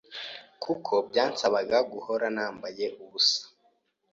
kuko byansabaga guhora nambaye ubusa